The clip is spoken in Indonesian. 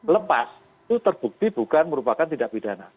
lepas itu terbukti bukan merupakan tindak pidana